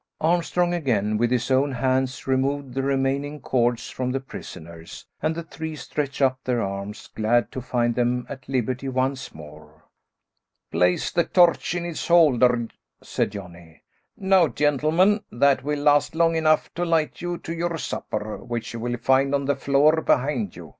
Armstrong, again, with his own hands removed the remaining cords from the prisoners, and the three stretched up their arms, glad to find them at liberty once more. "Place the torch in its holder," said Johnny. "Now, gentlemen, that will last long enough to light you to your supper, which you will find on the floor behind you.